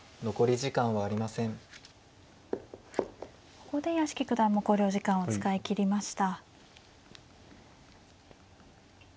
ここで屋敷九段も考慮時間を使い切りました。